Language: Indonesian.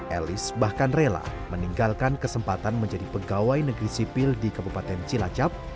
elis bahkan rela meninggalkan kesempatan menjadi pegawai negeri sipil di kabupaten cilacap